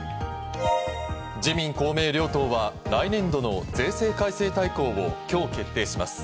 自民・公明両党は来年度の税制改正大綱を今日決定します。